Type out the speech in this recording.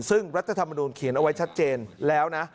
ซึ่งรัฐธรรมนุนเขียนเอาไว้ชัดเจนแล้วนะ